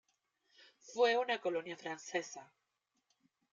Fue una colonia francesa.